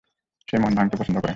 সে মন ভাঙ্গতে পছন্দ করে।